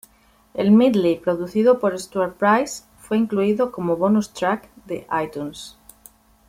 El medley, producido por Stuart Price, fue incluido como bonus track de iTunes.